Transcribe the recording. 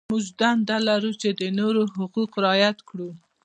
موږ دنده لرو چې د نورو حقوق رعایت کړو.